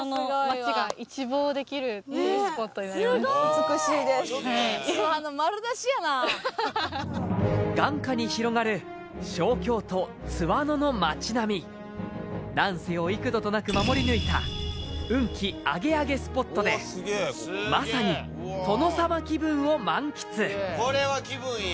津和野丸出しやな眼下に広がる小京都・津和野の町並み乱世を幾度となく守り抜いた運気アゲアゲスポットでまさに殿様気分を満喫